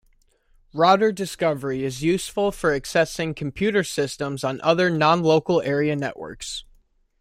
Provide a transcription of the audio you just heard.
Router discovery is useful for accessing computer systems on other nonlocal area networks.